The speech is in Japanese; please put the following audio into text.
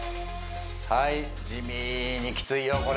はい地味にきついよ